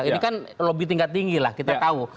ini kan lebih tingkat tinggi lah kita tahu